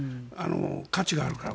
価値があるから。